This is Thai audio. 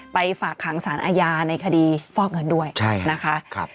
ฝากขังสารอาญาในคดีฟอกเงินด้วยนะคะ